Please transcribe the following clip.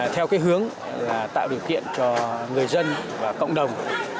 theo cái hướng là tạo điều kiện cho người dân và cộng đồng